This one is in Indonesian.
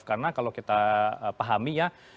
karena kalau kita pahami ya